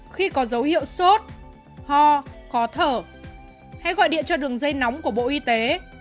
khi có dấu hiệu sốt ho khó thở hãy gọi điện cho đường dây nóng của bộ y tế một nghìn chín trăm linh chín nghìn chín mươi năm